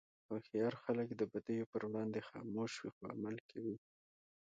هوښیار خلک د بدیو پر وړاندې خاموش وي، خو عمل کوي.